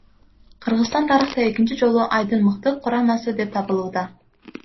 Кыргызстан тарыхта экинчи жолу айдын мыкты курамасы деп табылууда.